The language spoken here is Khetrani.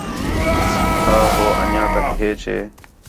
چَھا ہُُو انجیاں تک ھیچ ہے؟